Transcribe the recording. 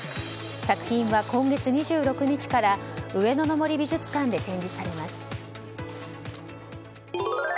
作品は今月２６日から上野の森美術館で展示されます。